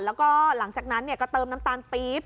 แล้วก็หลังจากนั้นก็เติมน้ำตาลปี๊บ